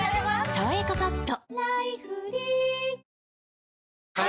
「さわやかパッド」